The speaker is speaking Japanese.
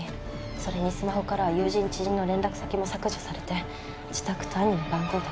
それにスマホからは友人知人の連絡先も削除されて自宅と兄の番号だけに。